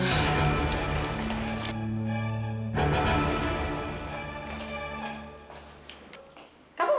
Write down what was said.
kamu ngapain disini